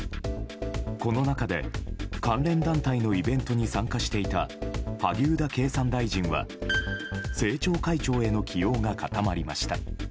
この中で、関連団体のイベントに参加していた萩生田経産大臣は政調会長への起用が固まりました。